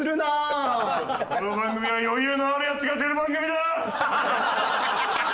この番組は余裕のあるヤツが出る番組だ！